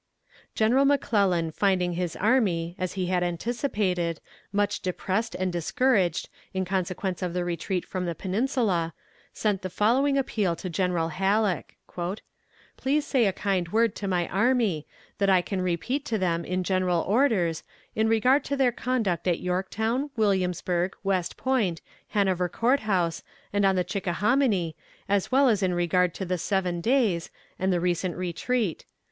General McClellan finding his army, as he had anticipated, much depressed and discouraged in consequence of the retreat from the Peninsula, sent the following appeal to General Halleck: "Please say a kind word to my army, that I can repeat to them in general orders, in regard to their conduct at Yorktown, Williamsburg, West Point, Hanover Court house, and on the Chickahominy, as well as in regard to the Seven Days, and the recent retreat.